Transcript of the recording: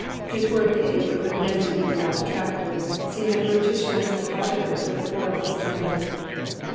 It were a pity for good men to be without detractors, seeing that virtue shines the brighter for the foil of slander.